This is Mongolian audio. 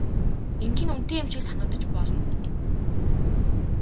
Ингэх нь үнэтэй юм шиг санагдаж болно.